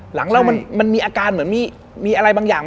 หลังเรามันมีอาการเหมือนมีอะไรบางอย่าง